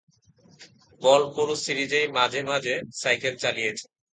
পল পুরো সিরিজেই মাঝে মাঝে সাইকেল চালিয়েছে।